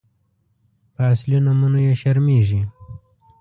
_په اصلي نومونو يې شرمېږي.